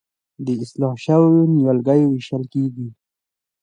د اصلاح شویو نیالګیو ویشل کیږي.